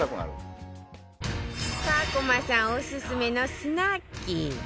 『パコマ』さんオススメのスナッキー